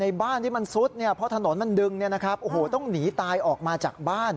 เสาสีนี่ก็เอ็นใช่ไหมคะ